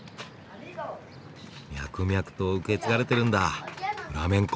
脈々と受け継がれてるんだフラメンコ。